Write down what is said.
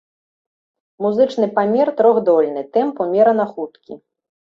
Музычны памер трохдольны, тэмп умерана хуткі.